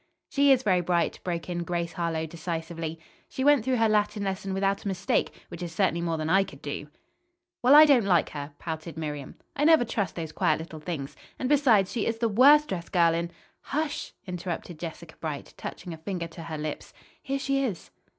"She is very bright," broke in Grace Harlowe decisively. "She went through her Latin lesson without a mistake, which is certainly more than I could do." "Well, I don't like her," pouted Miriam. "I never trust those quiet little things. And, besides, she is the worst dressed girl in " "Hush!" interrupted Jessica Bright, touching a finger to her lips. "Here she is."